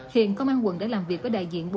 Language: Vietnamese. hiện công an quận đã làm việc với đại diện